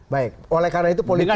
baik oleh karena itu politik